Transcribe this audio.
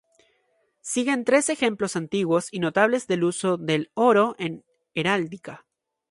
Siguen tres ejemplos antiguos y notables del uso del oro en heráldica.